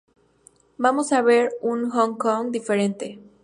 Vamos a ver un Hong Kong diferente